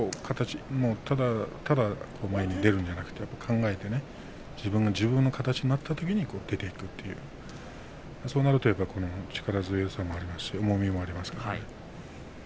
ただ前に出るんじゃなくて考えてね自分が自分の形になったときに入れていくそうなると力強さがありますし重みがありますから。